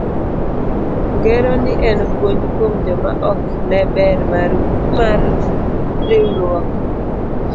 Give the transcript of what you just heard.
Ng'ero ni en puonj kuom joma ok ne ber mar riwruok.